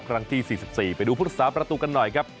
กลางที่๔๔ไปดูพุษศาประตูกันหน่อยครับ